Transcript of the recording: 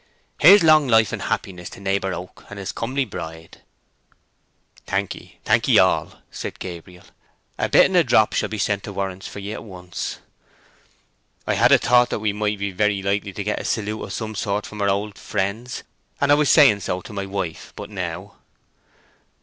Here's long life and happiness to neighbour Oak and his comely bride!" "Thank ye; thank ye all," said Gabriel. "A bit and a drop shall be sent to Warren's for ye at once. I had a thought that we might very likely get a salute of some sort from our old friends, and I was saying so to my wife but now."